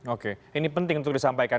oke ini penting untuk disampaikan